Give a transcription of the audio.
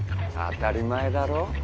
当たり前だろ。